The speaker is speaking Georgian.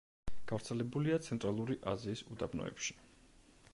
გავრცელებულია ცენტრალური აზიის უდაბნოებში.